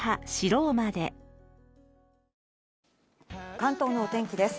関東のお天気です。